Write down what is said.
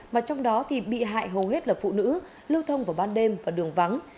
mà trong đó thì bị hại hầu hết là phụ nữ lưu thông vào ban đêm và đường vắng